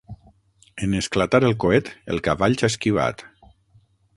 En esclatar el coet, el cavall s'ha esquivat.